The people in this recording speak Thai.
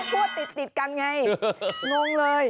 พูดติดกันไงงเลย